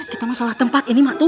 kita masalah tempat ini matu